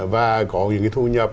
và có những cái thu nhập